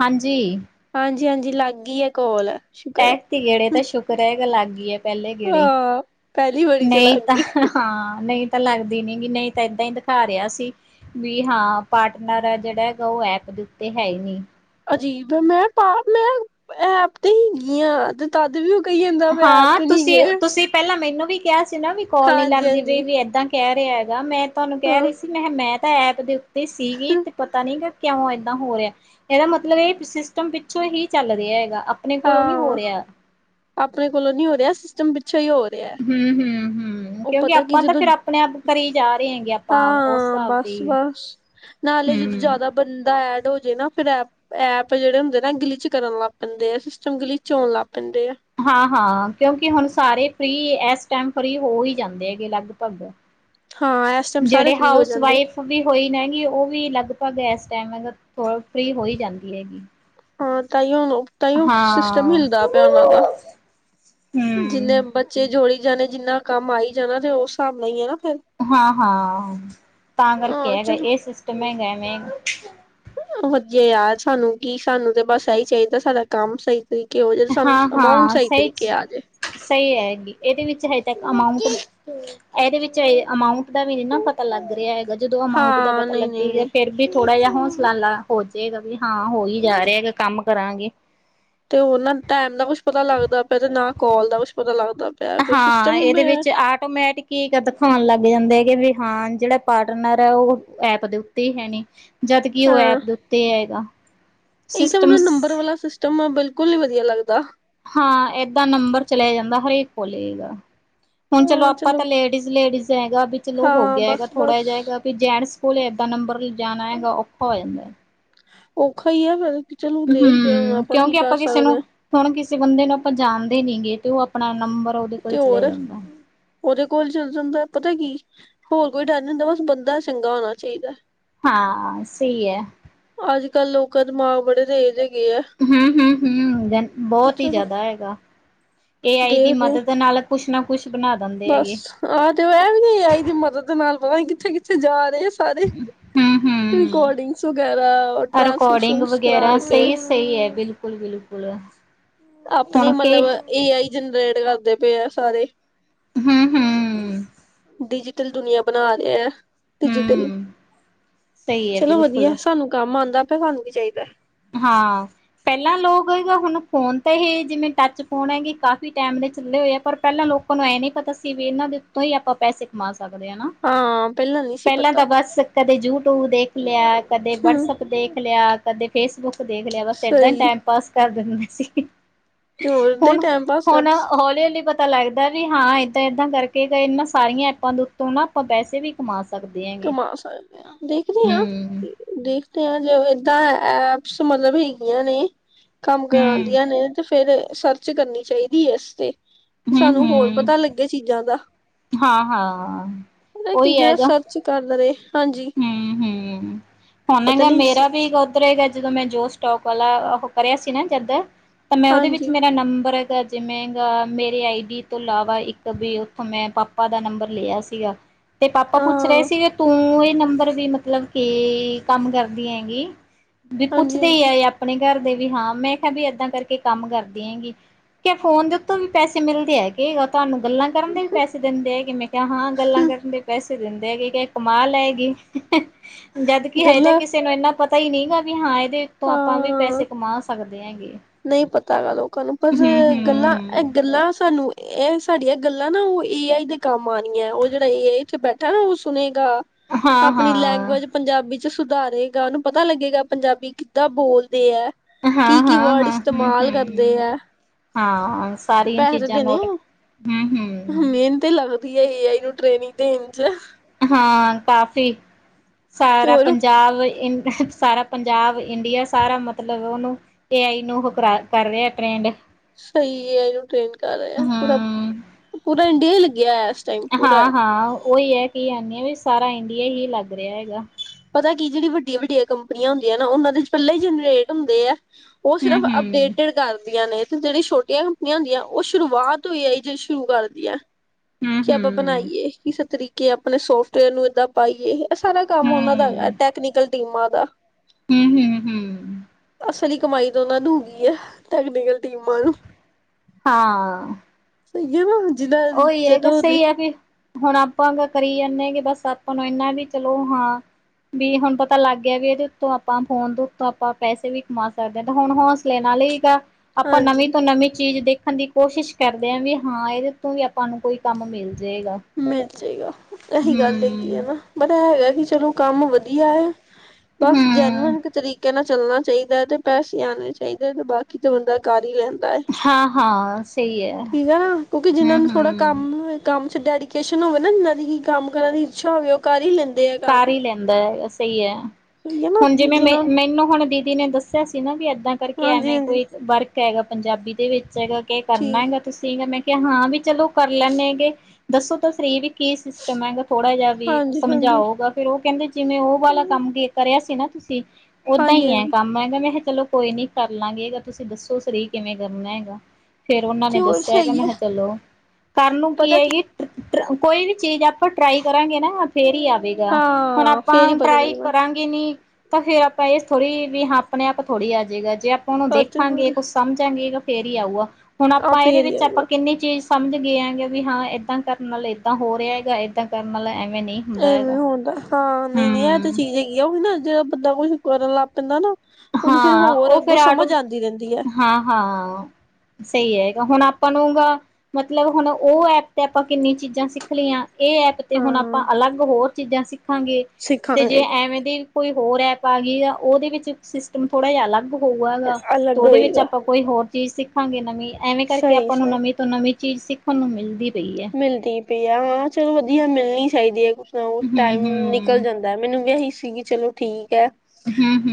ਹਾਂਜੀ, ਹਾਂਜੀ ਹਾਂਜੀ ਲੱਗ ਗਈ ਐ ਕੋਲ ਸ਼ੁਕਰ ਤੀ ਗੇੜੇ ਹੈ ਤਾਂ ਸ਼ੁਕਰ ਹੈ। ਲੱਗ ਏ, ਪਹਿਲੇ ਗੇੜੇ ਹਾਂ ਪਹਿਲੀ ਵਾਰੀ ਚ ਨਹੀਂ, ਲੱਗ ਤਾਂ ਗਈ ਹਾਂ ਨਹੀਂ ਤਾਂ ਲੱਗਦੀ ਨੀ ਨਹੀਂ ਤਾਂ ਏਦਾਂ ਹੀ ਦਿਖਾ ਰਿਹਾ ਸੀ ਵੀ ਹਾਂ, ਪਾਰਟਨਰ ਜਿਹੜਾ ਹੈਗਾ ਉਹ ਐਪ ਦੇ ਉੱਤੇ ਹੈ ਹੀ ਨੀ। ਅਜੀਬ ਮੈਂ ਪਾਪ ਮੈਂ ਐਪ ਤੇ ਹੈਗੀ ਹਾਂ ਤੇ ਤਦ ਵੀ, ਕਹੀ ਜਾਂਦਾ ਵੇ ਆਪ ਤੇ ਨੀ ਗਏ, ਮੈਨੂ ਵੀ ਕਿਹਾ ਸੀ। ਨਾ ਵੀ ਕੋਲ ਨੀ ਲੱਗਦੀ ਪਈ ਹਾਂਜੀ-ਹਾਂਜੀ ਵੀ ਏਦਾਂ ਕਹਿ ਰਿਹਾ ਐ ਗਾ ਮੈਂ ਤੁਹਾਨੂੰ ਕਹਿ ਹਾਂ ਰਹੀ ਸੀ ਮੈਂ ਕਿਹਾ ਮੈਂ [unintelligible] ਅਤੇ ਸੀਗੀ ਤਾਂ ਪਤਾ ਨਹੀਂ ਗ ਕਿਉਂ ਏਦਾਂ ਹੋ ਰਿਹਾ ਇਹਦਾ ਮਤਲਬ ਇਹ ਸਿਸਟਮ ਪਿੱਛੋਂ ਹੀ ਚੱਲ ਰਿਹਾ ਹੈਗਾ ਆਪਣੇ ਕੋਲੋਂ ਨੀ ਹੋ ਹਾਂ ਰਿਹਾ। ਆਪਣੇ ਕੋਲੋਂ ਨੀ ਹੋ ਰਿਹਾ ਸਿਸਟਮ ਵਿੱਚ ਹੂੰ ਹੂੰ ਹੂੰ, ਹੂੰ, ਉਹ ਕਿਉਂਕਿ ਪਤਾ ਕੀ ਆਪਾਂ ਤਾਂ ਜਦੋਂ ਫੇਰ ਆਪਣੇ ਆਪ ਘਰੇ ਹੀ ਜਾ ਰਹੇ ਹੈਗੇ ਆਪਾਂ ਉਸ ਹਾਂ ਹਿਸਾਬ ਤੇ ਹੀ ਬਸ-ਬਸ ਨਾਲੇ ਜਦੋਂ ਹੂੰ ਜ਼ਿਆਦਾ ਬੰਦਾ ਐਡ ਹੋਜੇ ਨਾ ਫਿਰ ਐ ਐਪ ਜਿਹੜੇ ਹੁੰਦੇ ਨਾ ਗਲਿਚ ਕਰਨ ਲੱਗ ਪੈਂਦੇ ਆ ਸਿਸਟਮ ਗਲਿਚ ਹੋਣ ਲੱਗ ਪ ਹਾਂ ਕਿਉਂਕਿ ਹੁਣ ਸਾਰੇ ਫਰੀ ਇਸ ਟਾਈਮ ਫਰੀ ਹੋ ਹੀ ਜਾਂਦੇ ਹੈਗੇ ਲਗਭਗ ਹਾਂ ਇਸ ਟਾਈਮ ਸਾਰੇ ਜਿਹੜੇ ਫ੍ਰਰੀ ਹੋ ਹਾਊਸ ਜਾਂਦੇ ਵਾਈਫ ਵੀ ਹੋਈ ਨੇਗੀ ਉਹ ਵੀ ਲਗ ਆਪਾਂ ਏਸ ਟਾਈਮ ਹੈਗਾ ਥੋੜਾ ਫਰੀ ਹੋਈ ਜਾਂਦੀ ਹੈਗੀ ਹਾਂ ਤਾਈ ਉਹ ਨਾ ਤਾਂ ਹੀ ਉਹ ਸਿਸਟਮ ਹਾਂ ਹਿਲਦਾ ਪਿਆ ਉਹਨਾਂ ਦਾ ਜਿੰਨੇ ਬੱਚੇ ਜੋੜੀ ਜਾਣੇ ਜਿੰਨਾ ਕੰਮ ਆਈ ਜਾਣਾ ਤੇ ਉਸ ਹਿਸਾਬ ਨਾਲ ਹੀ ਹੈ ਫਿਰ ਹਾਂ ਹਾਂ ਤਾਂ ਕਰਕੇ ਹਾਂ ਹੈਗਾ ਚਲੋ ਇਹ ਸਿਸਟਮ ਹੈਗਾ ਵੇਂ ਵਧੀਆ ਯਾਰ ਸਾਨੂੰ ਕੀ ਸਾਨੂੰ ਤੇ ਬਸ ਇਹੀ ਚਾਹੀਦਾ ਸਾਡਾ ਕੰਮ ਸਹੀ ਤਰੀਕੇ ਹੋ ਜਾਏ ਸਾਨੂੰ ਹਾਂ ਅਮਾਊਂਟ ਹਾਂ ਸਹੀ ਤਰੀਕੇ ਆ ਜੇ ਚ ਸਹੀ ਹੈਗੀ ਇਹਦੇ ਵਿੱਚ ਅਮਾਊਟ ਇਹਦੇ ਵਿੱਚ ਏ ਅਮਾਊਂਟ ਦਾ ਵੀ ਨ ਨਾ ਪਤਾ ਲੱਗ ਰਿਹਾ ਹੈਗਾ ਜਦੋਂ ਅਮਾਊਂਟ ਦਾ ਹਾਂ ਪਤਾ ਨਹੀਂ ਨਹੀਂ ਲੱਗੇਗਾ ਨਹੀਂ ਫਿਰ ਵੀ ਥੋੜਾ ਜਿਹਾ ਹੌਸਲਲਾ ਹੋ ਜਾਏਗਾ ਵੀ ਹਾਂ ਹੋਈ ਜਾ ਰਿਹਾ ਕੰਮ ਕਰਾਂਗੇ ਤੇ ਉਹ ਨਾ ਟਾਈਮ ਦਾ ਕੁੱਛ ਪਤਾ ਲੱਗਦਾ ਪਿਆ ਤੇ ਨਾ ਕੋਲ ਦਾ ਕੁੱਛ ਪਤਾ ਲੱਗਦਾ ਪਿਆ ਕੁਛ ਹਾਂ ਸਿਸਟਮ ਹੀ ਇਹਦੇ ਪਿਆ। ਵਿੱਚ ਆਟੋਮੈਟਿਕ ਹੀ ਦਿਖਾਉਣ ਲੱਗ ਜਾਂਦੇ ਹੈਗੇ ਵੀ ਹਾਂ ਜਿਹੜਾ ਪਾਰਟਨਰ ਹੈ ਉਹ ਐਪ ਦੇ ਉੱਤੇ ਹੀ ਹੈਨੀ ਜਦਕਿ ਉਹ ਐਪ ਦੇ ਉੱਤੇ ਹੈਗਾ। ਇਹ ਤਾਂ ਸਿਸਟਮ ਮੈਨੂੰ ਨੰਬਰ ਵਾਲਾ ਸਿਸਟਮ ਆ ਬਿਲਕੁਲ ਨੀ ਵਧੀਆ ਲੱਗਦਾ। ਹਾਂ ਏਦਾਂ ਨੰਬਰ ਚਲਿਆ ਜਾਂਦਾ ਹਰੇਕ ਕੋਲੇ ਹੈਗਾ। ਹੁਣ ਚਲੋ ਆਪਾਂ ਤਾਂ ਲੇਡੀਜ਼ ਲੇਡੀਜ਼ ਹੈਗਾ ਵੀ ਚਲੋ ਹੋ ਹਾਂ ਗਿਆ ਹੈਗਾ ਬਸ ਥੋੜਾ ਜਿਹਾ ਬਸ ਹੈਗਾ ਵੀ ਜੈਂਟਸ, ਕੋਲੇ ਏਦਾਂ ਨੰਬਰ ਲੈ ਜਾਣਾ ਹੈਗਾ ਔਖਾ ਹੋ ਜਾਂਦਾ। ਔਖਾ ਹੀ ਹੈ ਫੇਰ, ਹੂੰ ਕਿਉਂਕਿ ਆਪਾਂ ਕਿਸੇ ਨੂੰ ਹਾਂ ਹੁਣ ਕਿਸੇ ਬੰਦੇ ਨੂੰ ਆਪਾਂ ਜਾਣਦੇ ਨੀ ਗੇ। ਤੇ ਉਹ ਆਪਣਾ ਨੰਬਰ ਉਹਦੇ ਕੋਲ ਤੇ ਹੋਰ ਚਲੇ ਜਾਂਦਾ। ਉਹਦੇ ਕੋਲ ਚਲ ਜਾਂਦਾ ਪਤਾ ਕੀ। ਹੋਰ ਕੋਈ ਡਰ ਨੀ ਹੁੰਦਾ ਬਸ ਬੰਦਾ ਚੰਗਾ ਹੋਣਾ ਚਾਹੀਦਾ। ਹਾਂ ਸਹੀ ਏ, ਅੱਜ ਕੱਲ੍ਹ ਲੋਕਾਂ ਦਿਮਾਗ ਬੜੇ ਤੇਜ਼ ਹੈ, ਹੂੰ-ਹੂੰ-ਹੂੰ, ਬਹੁਤ ਹੀ ਚਲੋ ਜ਼ਿਆਦਾ ਹੈਗਾ। ਏ ਆਈ ਦੀ ਦੇਖਦੇ ਮਦਦ ਨਾਲ ਕੁਛ ਨਾ ਕੁਛ ਬਣਾ ਦਿੰਦੇ ਬਸ ਹੈਗੇ। ਆਹ ਤੇ ਉਹ ਐ ਵੀ ਏ ਆਈ ਦੀ ਮਦਦ ਦੇ ਨਾਲ, ਪਤਾ ਨੀ ਕਿੱਥੇ ਕਿੱਥੇ ਜਾ ਰਹੇ ਆ। ਸਾਰੇ ਹੂੰ-ਹੂੰ, ਰਿਕੋਡਿੰਗਸ ਵਗੈਰਾ ਰਿਕੋਡਿੰਗ ਟ੍ਰਾਂਸਕਰਿਪਸਨਸ ਕਰਾ ਵਗੈਰਾ ਕੇ, ਸਹੀ-ਸਹੀ ਐ ਬਿਲਕੁਲ-ਬਿਲਕੁਲ, ਆਪਣੇ ਹੁਣ ਕੇ ਮਤਲਬ ਏ ਆਈ ਜਨਰੇਟ ਕਰਦੇ, ਪੇ ਐ ਸਾਰੇ, ਹੂੰ-ਹੂੰ, ਡਿਜੀਟਲ ਦੁਨੀਆਂ ਬਣਾ ਰਿਹਾ ਹੈ। ਡਿਜੀਟਲ, ਹੂੰ, ਸਹੀ ਐ ਚਲੋ ਬਿਲਕੁਲ। ਵਧੀਆ ਸਾਨੂੰ ਕੰਮ, ਮੰਨਦਾ ਤਾ ਸਾਨੂੰ ਵੀ ਚਾਹੀਦਾ। ਹਾਂ ਪਹਿਲਾਂ ਲੋਕ ਹੈਗਾ ਹੁਣ ਫੋਨ ਤੇ ਹੀ ਜਿਵੇਂ ਟੱਚ ਫੋਨ ਹੈਗੇ ਕਾਫ਼ੀ ਟਾਈਮ ਦੇ ਚੱਲੇ ਹੋਏ ਆ ਪਰ ਪਹਿਲਾਂ ਲੋਕਾਂ ਨੂੰ ਇਹ ਨੀ ਪਤਾ ਸੀ ਵੀ ਇਹਨਾਂ ਦੇ ਉੱਤੋਂ ਹੀ ਆਪਾਂ ਪੈਸੇ ਕਮਾ ਸਕ ਕਦੇ ਆ ਨਾ ਹਾਂ ਨਹੀਂ ਸੀ ਪਹਿਲਾਂ ਪਤਾ ਤਾਂ ਬਸ ਕਦੇ ਯੂਟਿਊਬ ਦੇਖ ਲਿਆ ਕਦੇ ਹਮ ਵਟਸਐਪ ਦੇਖ ਲਿਆ। ਕਦੇ ਫੇਸਬੁੱਕ, ਦੇਖ ਲਿਆ ਬਸ ਏਦਾਂ ਹੀ ਸਹੀ ਟਾਈਮ ਪਾਸ ਕਰ, ਕਰਨਾ ਸੀ। ਤੇ ਹੋਰ ਦਾ ਹੀ ਹੁਣ ਟਾਈਮ ਪਾਸ ਕਰ ਹੁਣ ਹੌਲੀ-ਹੌਲੀ ਪਤਾ, ਤਾਂ ਲੱਗਦਾ ਵੀ ਹਾਂ ਇੱਦਾਂ ਏਦਾਂ ਕਰਕੇ ਇਹਨਾਂ ਸਾਰੀਆਂ ਐਪਾਂ ਦੇ ਉੱਤੋਂ ਨਾ ਆਪਾਂ ਪੈਸੇ ਵੀ ਕਮਾ ਸਕ ਕਮਾ ਸਕਦੇ ਹਾਂ ਦੇਖਦੇ ਹਾਂ ਹੂੰ ਦੇਖ, ਤੇ ਜੇ ਏਦਾਂ ਐਪਸ ਮਤਲਬ ਹੈਗੀਆਂ ਨੇ, ਕੰਮ ਹੂੰ ਕਰਾਦੀਆਂ ਨੇ ਤੇ, ਫਿਰ ਸਰਚ ਕਰਨੀ ਚਾਹੀਦੀ ਹੈ ਇਸ ਤੇ ਹੂੰ ਸਾਨੂੰ ਹੋਰ ਹੂੰ ਪਤਾ ਲੱਗੇ ਚੀਜ਼ਾਂ ਦਾ ਹਾਂ ਹਾਂ ਪਤਾ ਕੀ ਉਹੀ ਜਿਹੜਾ ਹੈਗਾ। ਸਰਚ ਕਰਦਾ ਰਹੇ। ਹਾਂਜੀ ਹਮ ਹੁਣ ਪਤਾ ਹੈਗਾ ਨਹੀਂ ਮੇਰਾ ਵੀ ਉੱਧਗਾ ਜਦੋਂ ਮੈਂ ਜੋ ਸਟੋਕ ਵਾਲਾ [inaudible] ਉਹ ਕਰਿਆ ਸੀ ਨਾ ਜਦ। ਤਾਂ ਮੈਂ ਉਹਦੇ ਵਿੱਚ ਹਾਂਜੀ ਮੇਰਾ ਨੰਬਰ ਜਿਵੇਂ ਗ ਮੇਰੀ ਆਈ ਡੀ ਤੋਂ ਇਲਾਵਾ ਇੱਕ ਵੀ ਉੱਥੋਂ ਮੈਂ ਪਾਪਾ ਦਾ ਨੰਬਰ ਲਿਆ ਸੀਗਾ ਤੇ ਪਾਪਾ ਪੁੱਛ ਰਹੇ ਹਾਂ ਸੀਗੇ ਤੂੰ ਇਹ ਨੰਬਰ ਵੀ ਮਤਲਬ ਕੇ ਕੰਮ ਕਰਦੀ ਹੈਗੀ ਵੀ ਹਾਂਜੀ ਪੁੱਛਦੇ ਹੀ ਹਾਂਜੀ ਆ ਆਪਣੇ ਘਰ ਵੀ ਹਾਂ ਮੈਂ ਕਿਹਾ ਵੀ ਏਦਾਂ ਕਰਕੇ ਕੰਮ ਕਰਦੀ ਹੈਂਗੀ ਕ ਫੋਨ ਦੇ ਉੱਤੋਂ ਵੀ ਪੈਸੇ ਮਿਲਦੇ ਹੈਗੇ ਤੁਹਾਨੂੰ ਗੱਲਾਂ ਕਰਨ ਦੇ ਵੀ ਪੈਸੇ ਦਿੰਦੇ ਹੈ ਕਿ ਮੈਂ ਕਿਹਾ ਹਾਂ ਗੱਲਾਂ ਕਰਨ ਦੇ ਪੈਸੇ ਦਿੰਦੇ ਹੈ ਕਿ ਕਮਾਲ ਹੈ। ਕਿ ਹੈ। ਜਦਕਿ ਹੈ ਤਾਂ ਗੱਲਾਂ ਕਿਸੇ ਨੂੰ ਇੰਨਾ ਪਤਾ ਹੀ ਨਹੀਂ ਗਾ ਵੀ ਹਾਂ ਇਹ ਏਦੇ ਤੋਂ ਆਪਾਂ ਵੀ ਹਾਂ ਪੈਸੇ ਕਮਾ ਸਕਦੇ ਹੈਂਗੇ। ਨਹੀਂ ਪਤਾ ਹੈਗਾ ਲੋਕਾਂ ਨੂੰ ਪਰ ਗੱਲਾਂ ਇਹ ਹੂੰ ਗੱਲਾਂ ਸਾਨੂੰ ਇਹ ਸਾਡੀਆਂ ਗੱਲਾਂ ਨਾ ਉਹ ਏ ਆਈ ਦੇ ਕੰਮ ਆਉਣ ਹੈ ਉਹ ਜਿਹੜਾ ਏ ਆਈ ਇਥੇ ਬੈਠਾ ਨਾ ਉਹ ਸੁਣੇ ਹਾਂ ਆਪਣੀ ਹਾਂ ਲੈਂਗੁਏਜ ਪੰਜਾਬੀ ਸੁਧਾਰੇਗਾ ਉਹਨੂੰ ਪਤਾ ਲੱਗੇਗਾ ਪੰਜਾਬੀ ਕਿੱਦਾਂ ਬੋਲ ਹੈ ਕੀ ਹਾਂ ਕੀ ਹਾਂ ਵਰਡ ਹਾਂ ਹੂੰ ਇਸਤੇਮਾਲ ਕਰਦੇ ਹੂੰ ਹੈ ਹਾਂ ਤੇ ਸਾਰੀਆਂ ਪੈਸੇ ਚੀਜ਼ਾਂ ਦੇਣੇ ਨੋਟ ਆ ਹੂੰ ਹੂੰ ਮਿਹਨਤ ਲੱਗਦਾ ਵਧੀਆ ਏ ਆਈ ਨੂੰ ਟ੍ਰੇਨਿੰਗ ਦੇਣ ਵਿੱਚ । ਹਾਂ ਕਾਫ਼ੀ ਤੇ ਸਾਰਾ ਹੋਰ ਪੰਜਾਬ ਇੰਝ ਸਾਰਾ ਪੰਜਾਬ ਇੰਡੀਆ ਸਾਰਾ ਮਤਲਬ ਉਹਨੂੰ ਏ ਆਈ ਨੂੰ ਹੁਣ ਕਰ ਰਿਹਾ ਟ੍ਰੈਂਡ। ਸਹੀ ਹੈ ਇਹਨੂੰ ਟਰੇਂਡ ਕਰ ਰਹੇ ਹੂੰ ਪੂਰਾ। ਪੂਰਾ ਇੰਡੀਆ ਹੀ ਲੱਗਿਆ ਹੈ। ਹਾਂ ਹਾਂ ਉਹੀ ਹੈ ਕੀ ਆ ਵੀ ਇਸ ਸਾਰਾ ਇੰਡੀਆ ਹੀ ਲੱਗ ਰਿਹਾ ਹੈਗਾ ਪਤਾ ਕੀ ਜਿਹੜੀ ਵੱਡੀਆਂ- ਵੱਡੀਆਂ ਕੰਪਨੀਆਂ ਹੁੰਦੀਆਂ ਨਾ, ਉਹਨਾਂ ਦੇ ਪਹਿਲਾਂ ਹੀ ਜਨਰੇਟ ਹੁੰਦੇ ਆ। ਉਹ ਹੂੰ ਸਿਰਫ ਹੂੰ ਅਪਡੇਟਡ ਕਰਦੀਆਂ ਨੇ। ਜਿਹੜੀ ਛੋਟੀਆਂ ਕੰਪਨੀਆਂ ਹੁੰਦੀਆਂ, ਉਹ ਸ਼ੁਰੂਆਤ ਏ ਆਈ ਜ ਸ਼ੁਰੂ ਕਰਦੀ ਹੈ। ਹੂੰ ਕਿ ਆਪਾਂ ਹੂੰ ਬਣਾਈਏ ਕਿਸੇ ਤਰੀਕੇ ਕਿ ਆਪਣੇ ਸੋਫਟਵੇਅਰ ਨੂੰ ਏਦਾਂ ਪਾਈਏ। ਸਾਰਾ ਕੰਮ ਉਹਨਾਂ ਟੈਕਨੀਕਲ ਦੀਮਾ ਦਾ। ਹਮ, ਹਮ, ਹਮ। ਅਸਲੀ ਕਮਾਈ ਤੋਂ ਉਹਨਾਂ ਦ ਹੋ ਗਈ ਹੈ, ਟੈਕਨੀਕਲ ਟੀਮਾਂ ਨੂੰ। ਹਾਂ। [unintelligible] ਉਹੀ ਹੈਗਾ ਜਦੋਂ ਸਹੀ ਆ ਦੇਖੋ ਵੀ ਹੁਣ ਆਪਾਂ ਕਰੀ ਜਾਂਦੇ ਗ ਬਸ ਆਪਾਂ ਨੂੰ ਇਨਾ ਵੀ ਚਲੋ ਹਾਂ ਵੀ ਹੁਣ ਪਤਾ ਲੱਗ ਗਿਆ ਵੀ, ਇਹਦੇ ਉੱਤੋਂ ਆਪਾਂ ਫੋਨ ਦੇ ਉੱਤੋਂ ਆਪਾਂ ਪੈਸੇ ਵੀ ਕਮਾ ਸਕਦੇ ਹਾਂ, ਤੇ ਹੁਣ ਹੌਸਲੇ ਨਾਲ ਹੀ ਗ ਆਪਾਂ ਹਾਂਜੀ ਨਵੀਂ ਤੋਂ ਨਵੀਂ ਚੀਜ਼ ਦੇਖ ਰੱਖਣ ਦੀ ਕੋਸ਼ਿਸ਼ ਕਰਦੇ ਹਾਂ ਵੀ ਹਾਂ ਇਹਦੇ ਵੀ ਆਪਾਂ ਨੂੰ ਕੋਈ ਕੰਮ ਮਿਲਦਾ। ਜਾਏਗਾ। ਜਹੀਗਾ [unintelligible] ਇਹੀ ਗੱਲ ਹੈਗੀ ਹੈ ਹਮ ਨਾ, ਬਤਾ ਹੈਗਾ ਕਿ ਚਲੋ ਕੰਮ ਵਧੀਆ ਹੈ। ਬਸ ਹਮ ਜੈਨਅਨ ਤਰੀਕੇ ਨਾਲ ਚੱਲਣਾ ਚਾਹੀਦਾ ਹੈ ਤੇ ਪੈਸੇ ਆਉਣੇ ਚਾਹੀਦੇ ਤੇ ਬਾਕੀ ਤਾਂ ਬੰਦਾ ਕਰ ਹੀ ਲੈਂਦਾ। ਹਾਂ ਹਾਂ ਸਹੀ ਹੈ ਠੀਕ ਆ ਕਿਉਂਕਿ ਜਿਹਨਾਂ ਨੂੰ ਹਮ ਥੋੜਾ ਹਮ ਕੰਮ, ਕੰਮ ਸ ਡੈਡੀ ਸ਼ਨ ਹੋਵੇ ਨਾ, ਇਹਨਾਂ ਦੀ ਕੀ ਕੰਮ ਕਰਨ ਦੀ ਇੱਛਾ ਹੋਵੇ ਉਹ ਕਰ ਹੀ ਲੈਂਦੇ। ਆ ਕਾਰ ਕੰਮ ਹੀ ਲੈਂਦਾ, ਸਹੀ ਹੈ, ਸਹੀ ਹੈ ਨਾ ਹੁਣ ਜਿਵੇਂ ਮੈਂ ਜਿਹਨਾਂ ਨੂੰ ਮੈਨੂੰ ਹੁਣ ਦੀ ਨੇ ਦੱਸਿਆ ਸੀ ਨਾ, ਵੀ ਅੱ ਕਰਕੇ ਹਾਂਜੀ ਐਵੇਂ ਹਾਂਜੀ ਕੋਈ ਵਰਕ ਹੈਗਾ ਪੰਜਾਬੀ ਦੇ ਵਿੱਚ ਜਗਾ ਕੇ ਕਰਨਾ ਠੀਕ ਹੈਗਾ ਤੁਸੀਂਗਾ ਮੈਂ ਕਿ ਹਾਂ ਵੀ ਚਲੋ ਕਰ ਲੈੇਗੇ, ਦੱਸੋ ਤਾਂ ਸਰੀ ਵੀ ਕੀ ਸਿਸਟਮ ਹੈਗਾ, ਥੋੜਾ ਜਿਹਾ ਵੀ ਹਾਂਜੀ ਹਾਂਜੀ ਸਮਝਾਓ। ਫਿਰ ਉਹ ਕਹਿੰਦੇ ਜਿਵੇਂ ਉਹ ਵਾਲਾ ਕੰਮ ਕਰਿਆ ਸੀ ਨਾ ਤੁਸੀਂ ਓਦਾਂ ਹਾਂਜੀ ਹੀ ਐ ਹਾਂਜੀ ਕੰਮ ਹੈਗਾ ਮੈਂ ਚਲੋ ਕੋਈ ਨੀ ਕਰ ਲਾਂਗੇ। ਤੁਸੀਂ ਦੱਸੋ ਸਈ ਕਿਵੇਂ ਕਰਨਾ ਹੈਗਾ? ਫੇਰ ਉਹਨਾਂ ਨੇ ਤੇ ਹੋਰ ਦੱਸਿਆ ਹੈਗਾ। ਸਹੀ ਮੈਂ ਹੈ ਕਿਹਾ, ਚਲੋ ਕਰਨ ਨੂੰ ਕੀ ਹੈਗੀ। ਕੋਈ ਵੀ ਚੀਜ਼ ਆਪਾਂ ਟਰਾਈ ਕਰਾਂਗੇ ਨਾ ਫੇਰ ਈ ਆ। ਹੁਨ ਹਾਂ ਫੇਰ ਹੀ ਆਪਾਂ ਪਤਾ ਟਰਾਈ ਲੱਗਣਾ ਕਰਾਂਗੇ ਨੀ ਤਾਂ ਫੇਰ ਆਪਾਂ ਇਹ ਥੋੜ੍ਹੀ ਵੀ ਹਾਂ, ਆਪਣੇ ਆਪ ਥੋੜ੍ਹੀ ਆ ਜਾਏਗਾ ਜੇ ਆਪਾਂ ਨੂੰ ਆ ਤੇ ਦੇਖਾਂਗੇ ਹੋਰ ਕੁਝ ਸਮਝਾਂਗੇ। ਫੇਰ ਈ ਆਊਗਾ। ਹੁਣ ਆ ਆਪਾਂ ਇਹਦੇ ਫੇਰ ਹੀ ਵਿੱਚ, ਆਊਗਾ ਆਪਾਂ ਕਿੰਨੀ ਚੀਜ਼ ਸਮਝ ਗਏ ਆਗੇ ਵੀ ਹਾਂ, ਏਦਾਂ ਕਰਨ ਵਾਲਾ ਏਦਾਂ ਹੋ ਰਿਹਾ ਹੈਗਾ, ਏਦਾਂ ਕਰਨ ਨਾਲ ਐ ਨਈ ਹੁੰਦਾ ਹੈਗਾ। ਹਦਾ ਹਾਂ ਨਹੀਂ, ਨਹੀਂ ਇਹ ਤੇ ਹੂੰ ਚੀਜ਼ ਹੈਗੀ ਆ। ਉਹ ਨਾ ਜਾ ਬੰਦਾ ਕੁ ਕਰਨ ਲੱਗ ਪੈਂਦਾ ਨਾ। ਉਹਨੂੰ ਫੇਰ ਹਾਂ ਹੋਰ ਉਹ ਫਿਰ ਅੱਗੋਂ ਆਟੋ ਸਮਝ ਆਉਂਦੀ ਰਹਿੰਦੀ ਹੈ ਹਾਂ, ਹਾਂ ਸਹੀ ਹੈਗਾ। ਹੁਣ ਆਪ ਬਣੂੰਗਾ। ਮਤਲਬ ਹੁਣ ਉਹ ਐਪ ਤੇ ਆਪਾਂ ਕਿੰਨੀ ਚੀਜ਼ਾਂ ਸਿੱਖ ਲਈਆਂ। ਇਹ ਐਪ ਤੇ ਹੁਨ ਆਪਾਂ ਹਾਂ ਅਲੱਗ ਹੋਰ ਚੀਜ਼ਾਂ ਸਿੱਖ ਦੇਖਾਂਗੇ। ਤੇ ਜੇ ਸਿੱਖਾਂਗੇ ਐਵੇਂ ਦੀ ਕੋਈ ਹੋਰ ਐਪ ਆ ਗਈ ਆ। ਉਹਦੇ ਵਿੱਚ ਸਿਸਟਮ ਥੋੜਾ ਜਾਂ ਅਲੱਗ ਹੋਉਆਗਾ ਤੋ ਅਲੱਗ ਔਦੇ ਵਿੱਚ ਹੋਏਗਾ ਆਪਾਂ ਕੋਈ ਹੋਰ ਚੀਜ ਸਿੱਖਾਂਗੇ ਨਵੀਂ। ਐਮੈਂ ਕਰਕੇ ਸਹੀ ਆਪਾਂ ਨੂੰ ਸਹੀ ਨਵੀਂ ਤੋਂ ਨਵੀਂ ਚੀਜ਼ ਸਿੱਖਣ ਨੂੰ ਮਿਲਦੀ। ਪਈ ਹੈ ਮਿਲਦੀ ਪਈ ਆ, ਹਾਂ ਚਲੋ ਵਧੀਆ ਮਿਲੇ ਨੀ ਚਾਈਦੀ ਐ। ਓਹ ਟਾਈਮ ਨਿਕਲ ਹੂੰ-ਹੂੰ, ਜਾਂਦੈ। ਮੈਨੂੰ ਵੀ ਐਹੀ ਸ ਸੀਗੀ ਚਲੋ ਠੀਕ ਐ।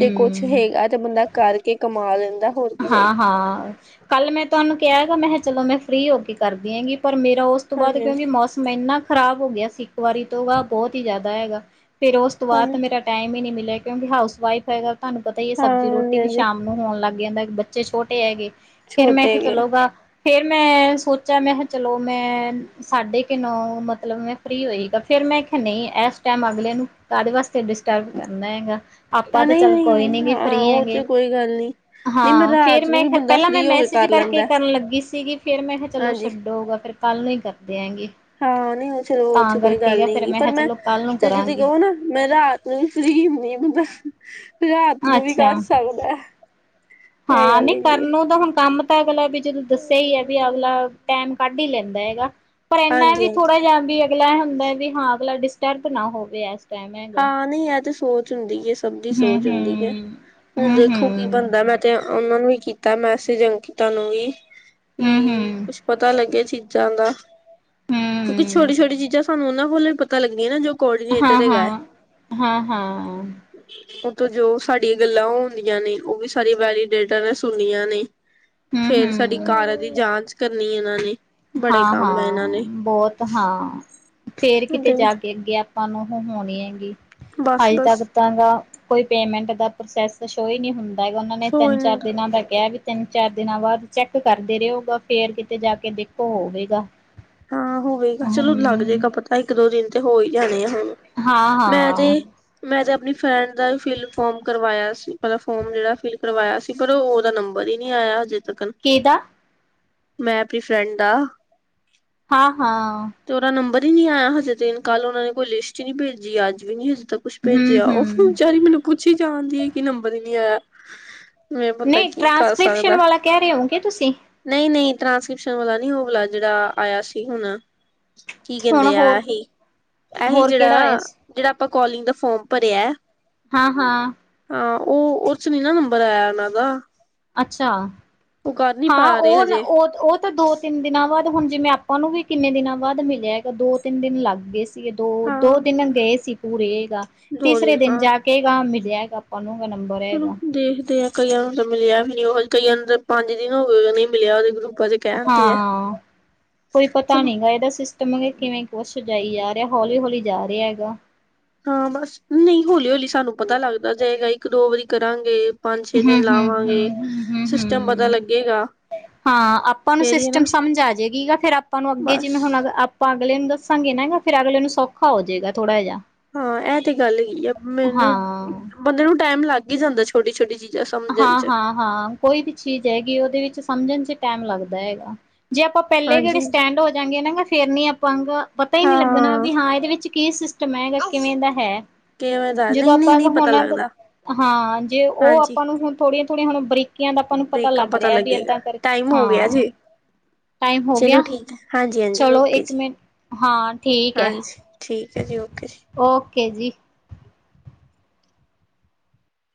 ਜੇ ਕੁਛ ਹੇਗਾ ਤੇ ਬੰਦਾ ਕਰਕੇ ਕਮਾ ਲੈਂਦਾ ਹੋਰ ਕੀ ਹਾਂ, ਚਾਹੀਦਾ ਹਾਂ, ਕੱਲ ਮੈਂ ਤੁਹਾਨੂੰ ਕਿਆ ਹੈਗਾ ਮੈਂ ਹੈ ਚਲੋ, ਮੈਂ ਫਰੀ ਹੋ ਕੇ ਕਰਦੀ ਹੈਂਗੀ। ਪਰ ਮੇਰਾ ਓਸ ਤੋਂ ਬਾਅਦ ਹਾਂਜੀ ਹਾਂਜੀ ਕਿਓਂਕਿ ਮੌਸਮ ਇੰਨਾ ਖ਼ਰਾਬ ਹੋ ਗਿਆ ਸੀ। ਇੱਕ ਵਾਰੀ ਤੋਂ ਵਾ ਬੌਤ ਹੀ ਜੈਦਾ ਹੈਗਾ। ਫੇਰ ਓਸ ਤੋਂ ਬਾਦ ਹਾਂਜੀ ਤਾਂ, ਮੇਰਾ ਟਾਈਮ ਈ ਨੀ ਮਿਲੇ। ਕਿਓਂਕਿ ਹਾਊਸ ਵਾਈਫ ਹੈਗਾ। ਤੁਹਾਨੂੰ ਪਤਾ ਈ ਏ, ਹਾਂ ਸਬਜ਼ੀ ਰੋਟੀ ਹਾਂਜੀ ਵੀ ਹਾਂਜੀ ਸ਼ਾਮ ਨੂੰ ਹੋਣ ਲੱਗ [unintelligible] ਬੱਚੇ ਛੋਟੇ ਹੈਗੇ। ਫੇਰ ਮੈਂ ਛੋਟੇ ਕਿਆ ਹੈਗੇ ਚਲੋ ਵਾ ਫੇਰ ਮੈਂ ਸੋਚਾ ਮੈਂ ਹੈ ਚਲੋ ਮੈਂ ਸਾਢੇ ਕੇ ਨੌ ਮਤਲਬ ਮੈਂ ਫ੍ਰੀ ਹੋਈ ਫੇਰ ਮੈਂ ਖੈ ਨਹੀਂ ਐਸ ਟੈਮ ਅਗਲੇ ਨੂੰ ਕਾਦੇ ਵਾਸਤੇ ਡਿਸਟਰਬ ਕਰਨੈ ਹੈਗਾ। ਤਾ ਆਪਾਂ ਤਾਂ ਨਹੀਂ ਚੱਲ ਕੋਈ ਨੀ ਨਹੀਂ ਗੇ ਹਾਂ ਫ੍ਰਰੀ ਔ ਹੈਗੇ ਚ ਕੋਈ ਗੱਲ ਨੀ। ਹਾਂ, ਫੇਰ ਮੈਂ ਖੈ ਪੈਲਾਂ ਮੈਂ ਮੈਸੇਜ ਕਰਕੇ ਲੈਂਦਾ ਕਰਨ ਲੱਗੀ। ਸੀਗੀ ਵਿ ਫੇਰ ਮੈਂ ਖੈ ਚਲੋ ਹਾਂਜੀ ਛੱਡੋਗਾ ਫੇਰ ਕੱਲ ਨਹੀਂ ਕਰਨਾ। ਹਾਂ ਨਹੀਂ ਓਹ ਚਲੋ ਓਹ ਚ ਕੋਈ ਕਰਕੇ ਗੱਲ ਗ ਫੇਰ ਨੀ ਪਰ ਕਿਹਾ ਮੈਂ ਚਲੋ ਕੱਲ ਨੂੰ ਤੇ ਜਦੀ ਕਰਾਂਗੇ ਕਹੋ ਨਾ ਮੈਂ ਰਾਤ ਨੂੰ ਵੀ ਫਰੀ ਹੁੰਣੀ ਆ ਬੰਸ। ਅੱਛਾ, ਇਹ ਹਾਂ ਗੱਲ ਨੀ ਕਰਣ ਹੈਗੀ ਹੈ ਨੂੰ ਤਾਂ ਹੁਣ ਕੰਮ ਤਾ ਗਲਾ ਵੀ ਜਦੋਂ ਦੱਸਿਆ ਈ ਐ ਵੀ ਐਵਲਾ ਟੈਮ ਕੱਢ ਈ ਲੈਂਦਾ ਹੈਗਾ। ਪਰ ਏਨਾ ਹਾਂਜੀ ਵੀ ਹਾਂਜੀ ਥੋੜ੍ਹਾ ਜਾ ਬੀ ਏ ਅਗਲਾ ਐਹ ਹੁੰਦੈ ਵੀ ਹਾਂ ਅਗਲਾ ਡਿਸਟਰਬ ਨਾ ਹੋਵੇ ਐਸ ਹਾਂ ਨਹੀਂ ਇਹ ਤੇ ਸੋਚ ਹੁੰਦੀ ਏ। ਸਭ ਦੀ ਸੋਚ ਹਮ ਹੂਦੀ ਏ, ਹੁਨ ਹਮ ਵੇੱਖੋ ਕੀ ਹਮ ਬਣਦਾ, ਮੈਂ ਤਾਂ ਉਹਨਾਂ ਨੂੰ ਕੀਤਾ ਮੈਸੇਜ ਅੰਕਿਤਾ ਨੂੰ ਵੀ। ਹਮ ਕੀ, ਹਮ ਕੁੱਛ ਪਤਾ ਲੱਗਿਆ ਜੀ। ਚੰਗਾ ਹਮ ਕਿਉਂਕਿ ਹਮ ਛੋਟੀ-ਛੋਟੀ ਚੀਜਾਂ ਸਾਹਨੂੰ ਉਹਨਾਂ ਕੋ ਹੀ ਪਤਾ ਲੱਗਦੀਆਂ ਨੇਂ, ਹਾ ਹਾ ਹਾ ਹਾ ਤੇ ਜੋ ਸਾਡੀਆਂ ਗੱਲਾਂ ਹੁੰਦੀਆਂ ਨੇ, ਉਹ ਵੀ ਸਾਰੀ ਵੈਲੀਡੇਟਰ ਨੇ ਸੁਣੀਆਂ ਨੇਂ। ਹਮ ਫੇਰ ਸਾਡੀ ਕਾਰਾਂ ਦੀ ਜਾਂਚ ਕਰ ਇਹਨਾ ਨੇ ਹਾ ਬੜੇ ਹਾ ਕੰਮ ਇਹਨਾਂ ਨੇ ਬਹੁਤ ਹਾਂ ਫੇਰ ਕਿਤੇ ਤੇ ਜਾ ਕੇ ਅੱਗੇ ਆਪਾਂ ਨੂੰ ਹੁਣ [unintelligible] ਹੈਂਗੀ ਬਸ ਹਲੇ ਬਸ ਤਕ ਤਾਂ ਗਾ ਕੋਈ ਪੇਮੈਂਟ ਦਾ ਪ੍ਰੋਸੈਸ ਸ਼ੋ ਹੀ ਨੀ ਹੁੰਦ ਹੈਗਾ ਉਹਨਾਂ ਨੇ ਸੋ ਤਿੰਨ ਹੀ ਨੀ ਚਾਰ ਦਿਨਾਂ ਦਾ ਕਿਹਾ ਵਈ। ਤਿੰਨ ਚਾਰ ਦਿਨਾਂ ਬਾਅਦ ਚੈੱਕ ਕਰਦੇ ਰਹੇ ਓ, ਬ ਫੇਰ ਕਿਤੇ ਜਾ ਕੇ ਦੇਖ ਤੋ ਹੋਵੇਗਾ ਹਾਂ ਹੋਵੇਗਾ, ਚਲੋ ਲੱਗ ਹਮ ਜੇਗਾ ਪਤਾ ਇੱਕ ਦੋ ਦਿਨ ਚ ਹੋ ਹੀ ਜਾਣੇ ਆ। ਹੂੰ, ਮੈਂ ਹਜੇ ਹਾਂ-ਹਾਂ ਮੈਂ ਜ ਆਪਣੀ ਫਰੈਂਡ ਦਾ ਫਿੱਲ ਫੋਰਮ ਕਰਵਾਇਆ ਸੀ, ਪਹਿਲਾ ਫੋਰਮ ਜਿਹੜਾ ਫਿਲ ਕਰਵਾਇਆ ਸੀ ਪਰ ਓਹ ਉਹਦਾ ਨੰਬਰ ਹੀ ਨਹੀਂ ਆਇਆ ਹਜੇ। ਤੱਕ ਕੀਦਾ ਮੈਂ ਆਪਨੀ ਫਰੈਂਡ ਦਾ। ਹਾਂ-ਹਾਂ ਨੀ ਆਇਆ ਹਜੇ ਤੇ ਕੱਲ ਉਹਨਾਂ ਨੇ ਕੋਈ ਲਿਸਟ ਹੀ ਨੀ ਭੇਜੀ ਅੱਜ ਵੀ ਨੀ ਲਿਸ ਤੇ ਕੁਛ ਭੇਜਿਆ ਉਹ ਫਿਰ ਹਮ-ਹਮ ਵਿਚਾਰੀ ਮੈਨੂੰ ਪੁਛੀ ਤਾਂ ਆਂਹਦੀ ਹੀ ਕੀ ਨੰਬਰ ਈ ਨੀ ਆਇਆ। ਮੈਂ ਬੰਦਾ ਨਹੀਂ ਕੀ ਕਰ ਟ੍ਰਾਂਸਕ੍ਰਿਪਸ਼ਨ ਸਕਦਾ ਵਾਲਾ ਕਹਿ ਰਹੇ ਕਿ ਤੁਸੀ। ਟਰਾਂਸਕ੍ਰਿਪਸ਼ਨ ਵਾਲਾ ਨੀ ਓਹ ਵਾਲਾ ਜਿਹੜਾ ਆਇਆ ਸੀ ਹੁਣ। ਕੀ ਹੁਣ ਕਹਿੰਦੇ ਹੋਰ ਆ, ਆਹੀ ਹੋਰ ਕਿਹੜਾ ਆਇਆ ਜਿਹੜਾ- ਸੀ ਜਿਹੜਾ ਤੇ ਕੋਲਿੰਗ ਦਾ ਫੋਰਮ ਭਰਿਆ। ਹਾਂ-ਹਾਂ ਹਾਂ ਉਹ-ਉਹ ਚ ਨੀ ਨਾ ਨੰਬਰ ਆਇਆ ਉਹਨਾਂ ਦਾ। ਅੱਛਾ ਉਹ ਕਰ ਨੀ ਪਾ ਹਾਂ ਰਹੇ ਉਹ- ਹਜੇ ਉਹ -ਉਹ ਤਾਂ ਦੋ ਤਿੰਨ ਦਿਨਾਂ ਬਾਅਦ ਹੁਣ ਜਿਵੇਂ ਆਪਾਂ ਨੂੰ ਵੀ ਕਿੰਨੇ ਦਿਨਾਂ ਬਾਅਦ ਮਿਲਿਆ ਹੈਗਾ, ਦੋ ਤਿੰਨ ਦਿਨ ਲੱਗ ਗਏ ਸੀ। ਸੀਗੇ ਦੋ-ਦੋ ਹਾਂ ਦਿਨ ਗਏ ਸੀ। ਪੂਰੇ ਜਾਂ ਦੋ ਤੀਸਰੇ ਦਿਨ ਜਾ ਕਹੇਗਾ ਮਿਰ ਲਿਆਏਗਾ ਆਪਾਂ ਨੂੰ। ਗਾ ਨੰਬਰ ਸੁਣੋ ਹੈਗਾ ਦੇਖਦੇ ਆ। ਕਈਆਂ ਨੂੰ ਤਾਂ ਮਿਲਿਆ ਵੀ ਨਹੀਂ ਉਹ ਕਈਆਂ ਨੂੰ ਤਾਂ ਪੰਜ ਦਿਨ ਹੋ ਗਏ ਨਹੀਂ ਮਿਲਿਆ, ਉਹਦੇ ਗਰੁਪ ਹਾਂ ਕੋਈ ਪਤਾ ਚਲੋ ਨੀ ਗਾ ਇਹਦਾ ਸਿਸਟ ਤੇ ਮੈਂ ਕਿਹਾ ਕਿਵੇਂ ਕੁਛ ਜਾਈ ਜਾ ਰਿਹਾ, ਹੌਲੀ- ਹੌਲੀ ਜਾ ਰਿਹਾ ਹੈਗਾ। ਹਾਂ ਬਸ ਨਹੀਂ ਹੌਲੀ -ਹੌਲੀ ਸਾਨੂੰ ਪਤਾ ਲੱਗਦਾ ਜਾਏਗਾ ਹੀ। ਇੱਕ ਦੋ ਵਾਰੀ ਕਰਾਂਗੇ। ਪੰਜ ਛੇ ਹੂੰ, ਦਿਨ ਹੂੰ, ਲਾਵਾਂਗੇ ਹੂੰ, ਹੂੰ, ਹੂੰ, ਸਿਸਟਮ ਪਤਾ ਲੱਗੇਗਾ ਹੂੰ, ਹਾਂ ਆਪਾਂ ਨੂੰ ਫੇਰ ਹੀ ਸਿਸਟਮ ਨਾ ਸਮਝ ਆ ਜਾਏਗੀ, ਗ ਫ਼ਿਰ ਆਪਾਂ ਨੂੰ ਅੱਗੇ ਜਿਵੇਂ ਬਸ ਹੁਣ ਅ ਆਪਾਂ ਅਗਲੇ ਨੂੰ ਦੱਸਾਂਗੇ ਨਾ ਫਿਰ ਅਗਲੇ ਨੂੰ ਸੌਖਾ ਹੋ ਜਾਏਗਾ ਥੋੜਾ ਜਿਹਾ। ਹਾਂ ਇਹ ਤੇ ਗੱਲ ਹੀ ਆ ਮੈਨੂੰ ਹਾਂ ਬੰਦੇ ਨੂੰ ਟਾਈਮ ਲੱਗ ਈ ਜਾਂਦਾ ਛੋਟੀ- ਛੋਟੀ ਚੀਜ਼। ਹਾਂ-ਹਾਂ-ਹਾਂ, ਕੋਈ ਵੀ ਚੀਜ਼ ਹੈਗੀ ਉਹਦੇ ਵਿੱਚ ਸਮਝਣ 'ਚ ਟਾਈਮ ਲੱਗਦਾ ਹੈਗਾ। ਜੇ ਆਪਾਂ ਪਹਿਲੇ ਹਾਂਜੀ ਜਿਹੜੇ ਹਾਂਜੀ ਸਟੈਂਡ ਹੋ ਜਾਂਗੇ ਨਾ ਫੇਰ ਨੀ ਆਪਾਂ ਪੰੰਗਾ। ਪਤਾ ਹੀ ਨਹੀਂ ਲੱਗਦਾ ਨਾ ਵੀ ਹਾਂ ਇਹਦੇ ਵਿੱਚ ਕੀ ਸਿਸ ਕਿ ਮਹਿੰਗਾ ਕਿਵੇਂ ਦਾ ਹੈ? ਕਿਵੇਂ ਦਾ ਜਦੋਂ ਨਹੀਂ ਨਹੀਂ ਆਪਾਂ ਨਹੀਂ ਪਤਾ ਹੁਣ ਲੱਗਦਾ ਹਾਂ ਜੇ ਉਹ ਅਪ ਹਾਂਜੀ ਤੁਹਾਨੂੰ ਹੁਣ ਥੋੜੀਆਂ-ਥੋੜੀਆਂ ਹੁਣ ਬਰੀਕੀਆਂ ਦਾ ਆਪਾਂ ਨੂੰ ਪਤਾ ਬ੍ਰੇਕਾਂ ਲੱਗ ਰਿਹਾ ਵੀ ਲੱਗੇਗਾ ਏਦਾਂ ਕਰਕੇ, ਟਾਈਮ ਹੋ ਗਿਆ ਹਾਂ ਜੀ ਟਾਈਮ ਹੋ ਚਲੋ ਗਿਆ, ਠੀਕ ਹੈ ਹਾਂਜੀ ਹਾਂਜੀ ਚਲੋ ਓਕੇ ਇੱਕ ਜੀ ਮਿੰਟ ਹਾਂ ਠੀਕ ਹੈ, ਹਾਂਜੀ ਠੀਕ ਹੈ ਜੀ ਓਕੇ ਜੀ ਓਕ ਕੇ ਜੀ।